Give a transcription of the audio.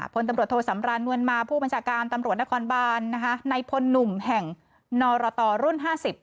พลตำรวจโทสำราญเงินมาผู้ประชาการตำรวจนครบาลในพลหนุ่มแห่งนรตรรุ่น๕๐